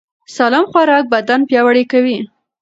سالم خوراک بدن پیاوړی کوي.